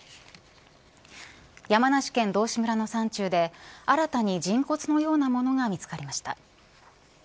山梨県道志村の山中で新たに人骨のようなものが見つかりました。